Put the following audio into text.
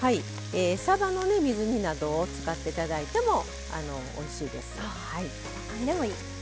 さばの水煮などを使っていただいてもおいしいです。